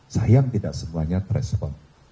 sayang tidak semuanya terespon